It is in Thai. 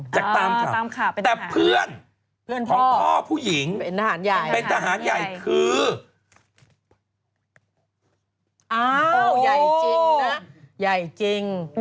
จากตามข่าวแต่เพื่อนของพ่อผู้หญิงเป็นทหารใหญ่คืออ